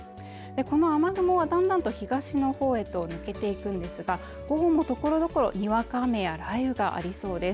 この雨雲はだんだんと東のほうへと抜けていくんですが午後もところどころにわか雨や雷雨がありそうです